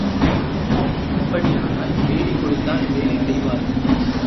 அப்படியானால், வேலை கொடுத்தால் வேலை செய்வார்கள்!